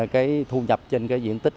cái thu nhập trên cái diện tích